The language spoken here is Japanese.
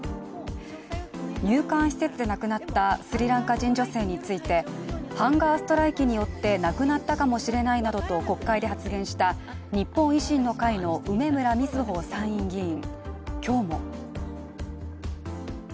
入管施設で亡くなったスリランカ人女性について、ハンガーストライキによって亡くなったかもしれないなどと国会で発言した日本維新の会の梅村みずほ参院議員。